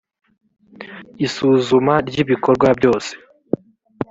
isuzuma ry’ibikorwa byose